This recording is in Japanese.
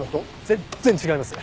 全然違います。